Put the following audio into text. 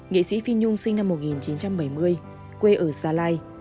nghệ sĩ phi nhung sinh năm một nghìn chín trăm bảy mươi quê ở xa lai